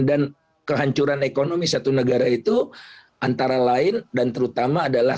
dan kehancuran ekonomi satu negara itu antara lain dan terutama adalah